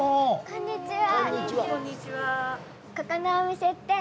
こんにちは。